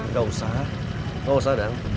gak usah gak usah dang